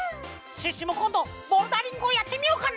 シュッシュもこんどボルダリングをやってみようかな？